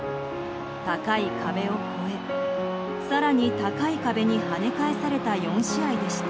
高い壁を越え更に高い壁に跳ね返された４試合でした。